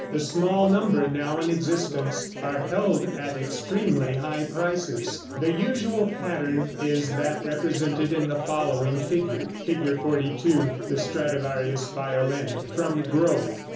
The small number now in existence are held at extremely high prices. The usual pattern is that represented in the following figure. [Illustration: Fig. 42. THE STRADIVARIUS VIOLIN. (From Grove.)